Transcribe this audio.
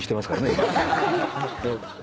今。